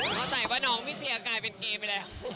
เข้าใจว่าน้องพี่เซียกลายเป็นเกมไปแล้ว